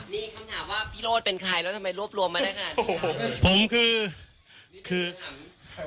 นี่อีกคำถามว่าพี่โรดเป็นใครแล้วทำไมรวบรวมมาน่ะขนาดนี้ครับ